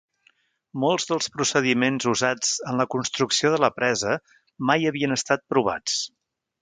Molts dels procediments usats en la construcció de la presa mai havien estat provats.